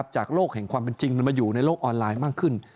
จากโลกแห่งความเป็นจริงมันมาอยู่ในโลกออนไลน์มากขึ้น